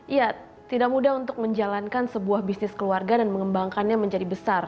iya tidak mudah untuk menjalankan sebuah bisnis keluarga dan mengembangkannya menjadi besar